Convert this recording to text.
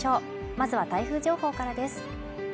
まずは台風情報からです